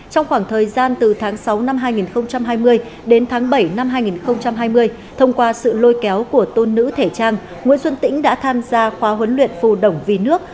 trong khoảng thời gian từ tháng sáu năm hai nghìn hai mươi đến tháng bảy năm hai nghìn hai mươi thông qua sự lôi kéo của tôn nữ thể trang nguyễn xuân tĩnh đã tham gia khóa huấn luyện phù đồng vì nước